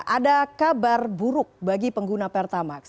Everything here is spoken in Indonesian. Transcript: ada kabar buruk bagi pengguna pertamax